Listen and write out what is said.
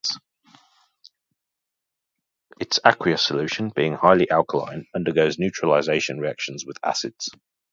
Its aqueous solution, being highly alkaline, undergoes neutralization reactions with acids.